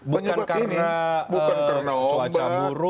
penyebab ini bukan karena cuaca buruk